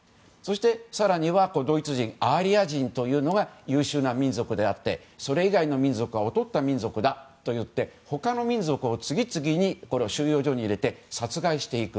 更にドイツ人アーリア人というのが優秀な民族であってそれ以外の民族は劣った民族としてその他の民族を収容所に入れて次々と殺害していく。